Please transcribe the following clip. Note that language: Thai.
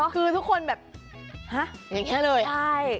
คือทุกคนแบบฮะเป็นอย่างนี้เลย